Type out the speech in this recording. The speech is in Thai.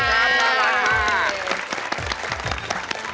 น่ารักมาก